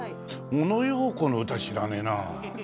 オノ・ヨーコの歌知らねえな。